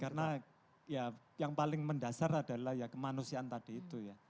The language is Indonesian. karena ya yang paling mendasar adalah ya kemanusiaan tadi itu ya